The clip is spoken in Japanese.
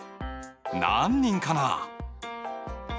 何人かな？